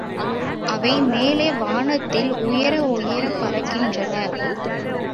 அவை மேலே வானத்தில் உயர உயரப் பறக்கின்றன.